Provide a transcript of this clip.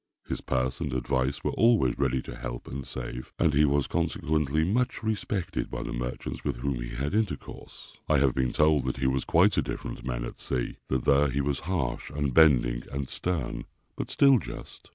His purse and advice were always ready to help and save, and he was, consequently, much respected by the merchants with whom he had intercourse. I have been told that he was quite a different man at sea, that there he was harsh, unbending and stern, but still just.